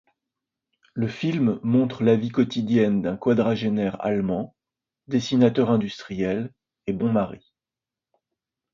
Le film montre la vie quotidienne d'un quadragénaire allemand, dessinateur industriel, et bon mari.